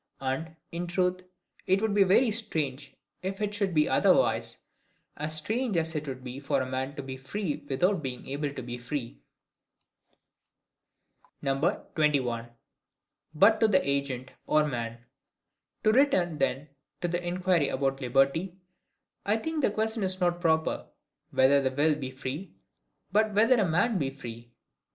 And, in truth, it would be very strange if it should be otherwise; as strange as it would be for a man to be free without being able to be free. 21. But to the Agent, or Man. To return, then, to the inquiry about liberty, I think the question is not proper, WHETHER THE WILL BE FREE, but WHETHER A MAN BE FREE.